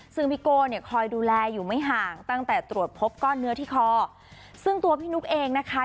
ซึ่งพี่โก้เนี่ยคอยดูแลอยู่ไม่ห่างตั้งแต่ตรวจพบก้อนเนื้อที่คอซึ่งตัวพี่นุ๊กเองนะคะ